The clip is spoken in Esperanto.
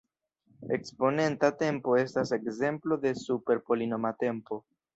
Eksponenta tempo estas ekzemplo de super-polinoma tempo.